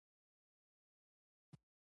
سندره د هیواد ویاړ دی